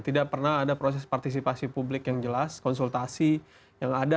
tidak pernah ada proses partisipasi publik yang jelas konsultasi yang ada